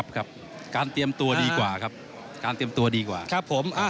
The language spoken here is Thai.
การเตรียมตัวดีกว่าครับ